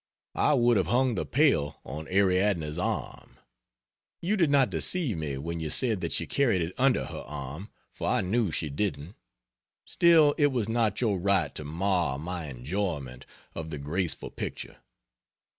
I would have hung the pail on Ariadne's arm. You did not deceive me when you said that she carried it under her arm, for I knew she didn't; still it was not your right to mar my enjoyment of the graceful picture.